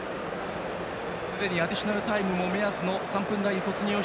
すでにアディショナルタイムも目安の３分台に突入。